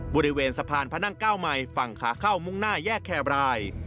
บริเวณสะพานพระนั่งเก้าใหม่ฝั่งขาเข้ามุ่งหน้าแยกแคบราย